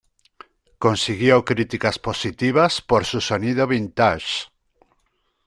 Consiguió críticas positivas por su sonido 'vintage'.